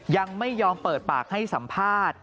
ยังไม่ยอมเปิดปากให้สัมภาษณ์